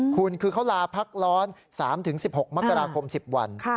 คุณคือเขาลาพักร้อน๓๑๖มกราคม๑๐วัน